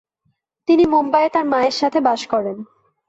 তিনি মুম্বাইয়ে তার মায়ের সাথে বাস করেন।